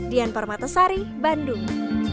dian parmatesari bandung